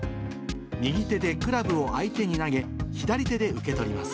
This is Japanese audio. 右手でクラブを相手に投げ、左手で受け取ります。